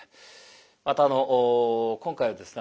またあの今回はですね